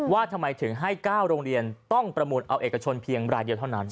ว่าทำไมถึงให้๙โรงเรียนต้องประมูลเอาเอกชนเพียงรายเดียวเท่านั้น